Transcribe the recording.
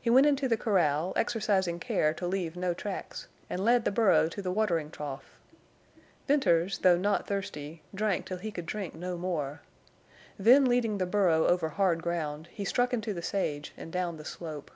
He went into the corral, exercising care to leave no tracks, and led the burro to the watering trough. Venters, though not thirsty, drank till he could drink no more. Then, leading the burro over hard ground, he struck into the sage and down the slope.